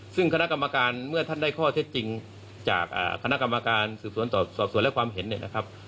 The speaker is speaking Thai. ซึ่งคณะกรรมการเมื่อท่านได้ข้อเท็จจริงจากคณะกรรมการสืบสวนสอบสวนและความเห็นเนี่ยนะครับ